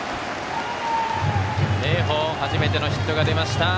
明豊、初めてのヒットが出ました。